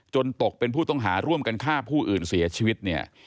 ตกเป็นผู้ต้องหาร่วมกันฆ่าผู้อื่นเสียชีวิตเนี่ย